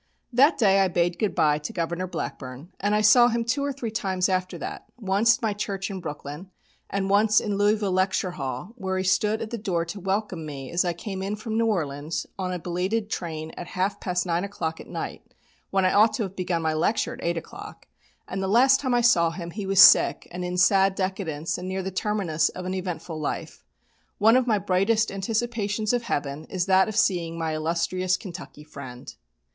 That day I bade good bye to Governor Blackburn, and I saw him two or three times after that, once in my church in Brooklyn and once in Louisville lecture hall, where he stood at the door to welcome me as I came in from New Orleans on a belated train at half past nine o'clock at night when I ought to have begun my lecture at 8 o'clock; and the last time I saw him he was sick and in sad decadence and near the terminus of an eventful life. One of my brightest anticipations of Heaven is that of seeing my illustrious Kentucky friend.